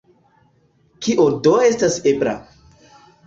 Kio do estas ebla?